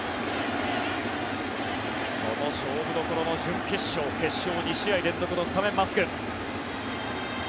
この勝負どころの準決勝、決勝２試合連続のスタメンマスク。